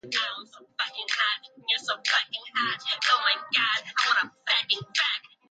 Illegal operations may unintentionally end up on frequencies very much in use.